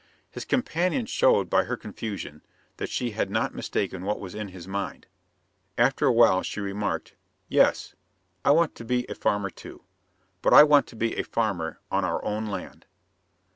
His companion showed by her confusion that she had not mistaken what was in his mind. After a while she remarked, "Yes, I want to be a farmer too. But I want to be a farmer on our own land."